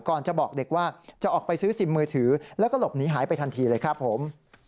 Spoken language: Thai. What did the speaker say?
ก่อนจะบอกเด็กว่าจะออกไปซื้อซิมมือถือแล้วก็หลบหนีหายไปทันทีเลยครับผม